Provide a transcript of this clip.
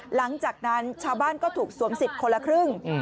หลังจากนั้นชาวบ้านก็ถูกสวมสิทธิ์คนละครึ่ง